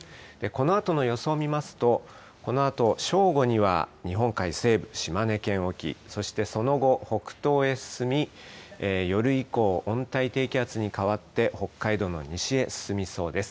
このあとの予想を見ますと、このあと正午には日本海西部、島根県沖、そしてその後、北東へ進み、夜以降、温帯低気圧に変わって、北海道の西へ進みそうです。